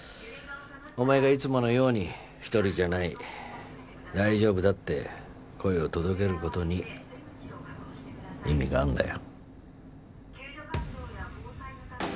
お前がいつものように一人じゃない大丈夫だって声を届ける事に意味があるんだよ。